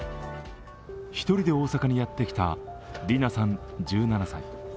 １人で大阪にやってきたリナさん１７歳。